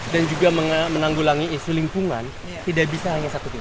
dan juga menanggulangi isu lingkungan tidak bisa hanya satu pihak